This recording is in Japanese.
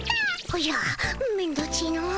おじゃめんどっちいの。